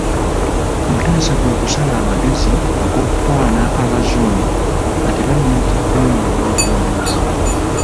Mutesa kwe kusala amagezi ag'okukwana Abazungu nga tebannajja kumuwangula buwanguzi.